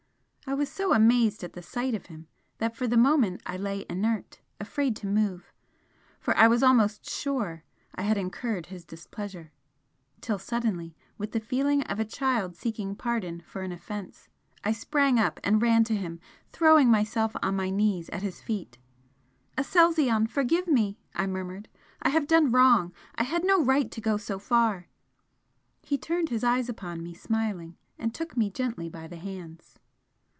I was so amazed at the sight of him that for the moment I lay inert, afraid to move for I was almost sure I had incurred his displeasure till suddenly, with the feeling of a child seeking pardon for an offence, I sprang up and ran to him, throwing myself on my knees at his feet. "Aselzion, forgive me!" I murmured "I have done wrong I had no right to go so far " He turned his eyes upon me, smiling, and took me gently by the hands.